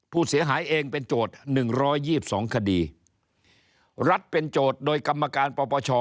ผู้เสียหายเองเป็นโจทย์หนึ่งร้อยยี่สิบสองคดีรัฐเป็นโจทย์โดยกรรมการปปช